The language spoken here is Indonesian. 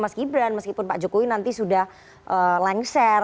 mas gibran meskipun pak jokowi nanti sudah lengser